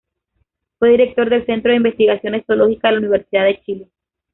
Fue Director del Centro de Investigaciones Zoológicas de la Universidad de Chile.